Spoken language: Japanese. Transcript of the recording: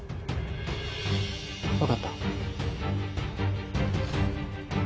わかった。